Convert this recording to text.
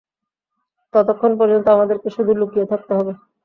ততক্ষণ পর্যন্ত আমাদেরকে শুধু লুকিয়ে থাকতে হবে।